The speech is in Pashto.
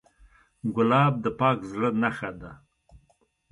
ګلاب د پاک زړه نښه ده.